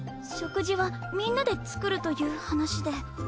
食事はみんなで作るという話で。